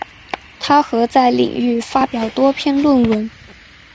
她和在领域发表多篇论文。